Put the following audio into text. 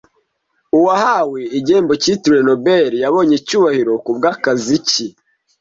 uwahawe igihembo cyitiriwe Nobel yabonye icyubahiro kubwakazi ki